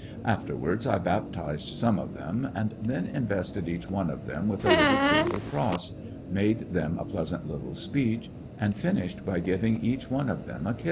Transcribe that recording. Afterwards I baptized some of them, and then invested each one of them with a little silver cross, made them a pleasant little speech, and finished by giving each one of them a kiss.